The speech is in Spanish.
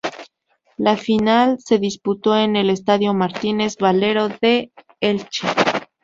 La final se disputó en el Estadio Martínez Valero de Elche.